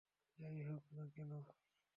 যাই হোক না কেন।